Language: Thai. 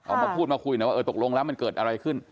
ออกมาพูดมาคุยหน่อยว่าเออตกลงแล้วมันเกิดอะไรขึ้น